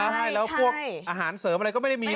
ใช่แล้วพวกอาหารเสริมอะไรก็ไม่ได้มี